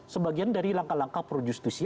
sebagian dari langkah langkah projustisi